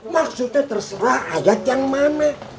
maksudnya terserah ayat yang mana